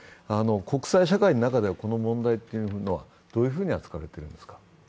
国際社会の中ではこの問題というのはどういうふうに扱われているんですか？